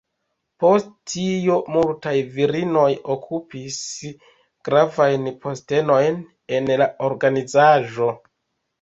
Post tio multaj virinoj okupis gravajn postenojn en la organizaĵo.